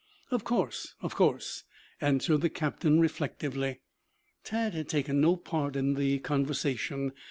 "Of course, of course," answered the captain reflectively. Tad had taken no part in the conversation.